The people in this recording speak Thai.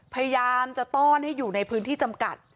พยายามจะต้อนให้อยู่ในพื้นที่จำกัด